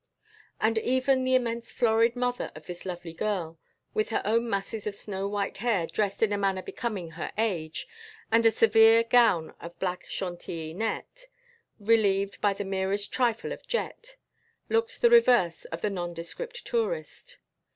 And even the immense florid mother of this lovely girl, with her own masses of snow white hair dressed in a manner becoming her age, and a severe gown of black Chantilly net, relieved by the merest trifle of jet, looked the reverse of the nondescript tourist.